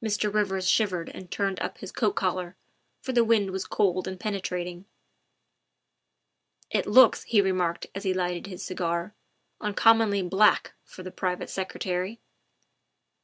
Mr. Rivers shivered and turned up his coat collar, for the wind was cold and penetrating. '' It looks, '' he remarked as he lighted his cigar, '' un commonly black for the private secretary."